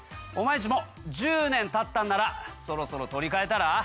お前んちも１０年たったんならそろそろ取り替えたら？